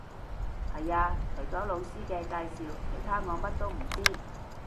係呀，除咗老師嘅介紹，其他我乜都唔知